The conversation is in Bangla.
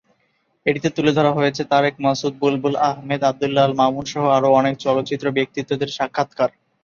এটিতে তুলে ধারা হয়েছে তারেক মাসুদ, বুলবুল আহমেদ, আব্দুল্লাহ আল মামুন-সহ আরও অনেক চলচ্চিত্র ব্যক্তিত্বদের সাক্ষাৎকার।